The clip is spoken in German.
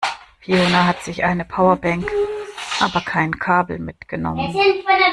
Fiona hat sich eine Powerbank, aber kein Kabel mitgenommen.